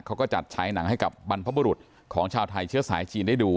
เขาก็จัดฉายหนังให้กับบรรพบุรุษของชาวไทยเชื้อสายจีนได้ดู